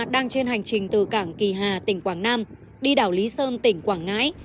đang trên hành trình từ cảng kỳ hà tỉnh quảng nam đi đảo lý sơn tỉnh quảng ngãi